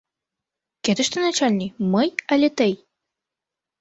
Кӧ тыште начальник — мый але тый?